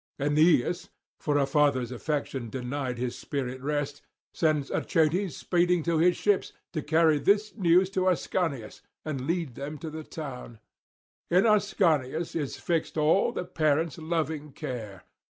Aeneas for a father's affection denied his spirit rest sends Achates speeding to his ships, to carry this news to Ascanius, and lead him to the town: in Ascanius is fixed all the parent's loving care.